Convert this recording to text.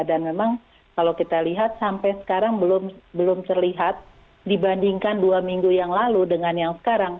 memang kalau kita lihat sampai sekarang belum terlihat dibandingkan dua minggu yang lalu dengan yang sekarang